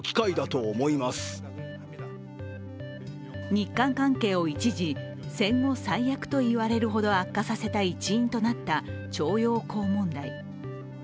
日韓関係を一時、戦後最悪と言われるほど悪化させた一因となった徴用工問題。